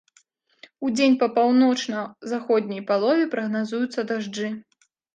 Удзень па паўночна-заходняй палове прагназуюцца дажджы.